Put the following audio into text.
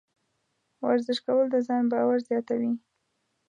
ورزش کول د ځان باور زیاتوي.